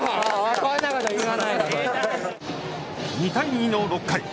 ２対２の６回。